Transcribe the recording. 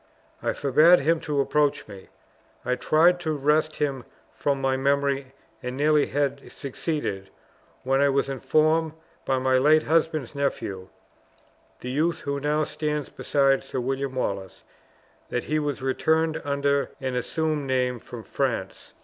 I forbade him to approach me. I tried to wrest him from my memory; and nearly had succeeded, when I was informed by my late husband's nephew (the youth who now stands beside Sir William Wallace) that he was returned under an assumed name from France.